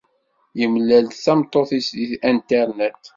Yemlal-d tameṭṭut-is deg Internet.